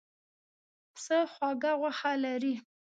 پسه خوږه غوښه لري.